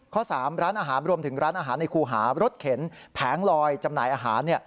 ๓ร้านอาหารรวมถึงร้านอาหารในครูหารถเข็นแผงลอยจำหน่ายอาหาร